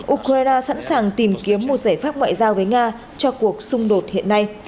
ukraine sẵn sàng tìm kiếm một giải pháp ngoại giao với nga cho cuộc xung đột hiện nay